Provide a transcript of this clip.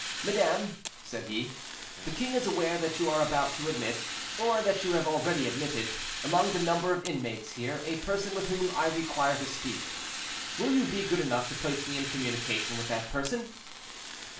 "Madame," said he, "the king is aware that you are about to admit, or that you have already admitted, among the number of the inmates here, a person with whom I require to speak. Will you be good enough to place me in communication with that person?"